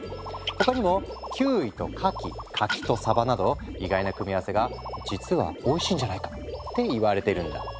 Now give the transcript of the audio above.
他にもキウイとかき柿とサバなど意外な組み合わせが実はおいしいんじゃないかって言われてるんだ。